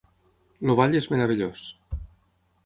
El ball és meravellós.